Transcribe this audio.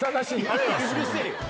うるせぇよ！